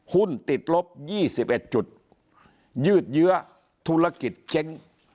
หุ้นติดลบ๒๑จุดยืดเยื้อธุรกิจเจ๊ง